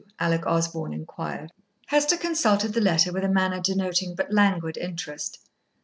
Alec Osborn inquired. Hester consulted the letter with a manner denoting but languid interest.